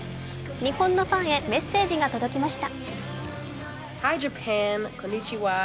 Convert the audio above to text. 日本のファンヘメッセージが届きました。